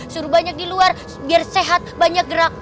suruh banyak di luar biar sehat banyak gerak